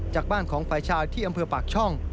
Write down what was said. จากบ้านของฝ่ายชายที่อำเภอปากช่อง